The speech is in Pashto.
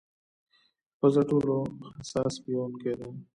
پزه ټولو حساس بویونکې ده.